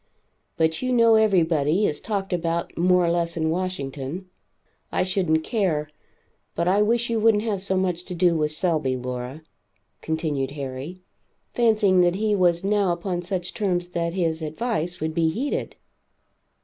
But you know everybody is talked about more or less in Washington. I shouldn't care; but I wish you wouldn't have so much to do with Selby, Laura," continued Harry, fancying that he was now upon such terms that his, advice, would be heeded.